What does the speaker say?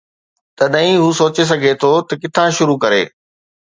تڏهن ئي هو سوچي سگهي ٿو ته ڪٿان شروع ڪري.